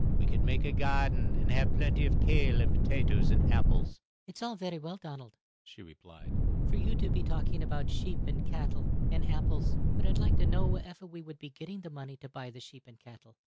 We could make a garden and haf plenty of kail, and potatoes, and apples." "It's all ferry well, Donald," she replied, "for you to be talking about sheep, and cattle, and apples; but I'd like to know wherefer we would be getting the money to buy the sheep and cattle?